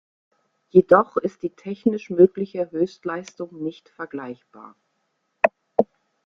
Jedoch ist die technisch mögliche Höchstleistung nicht vergleichbar.